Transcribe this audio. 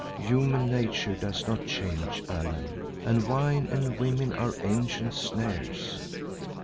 Human nature does not change, Allan, and wine and women are ancient snares.